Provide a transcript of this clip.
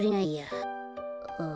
ああ。